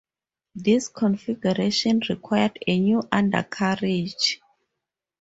This configuration required a new undercarriage.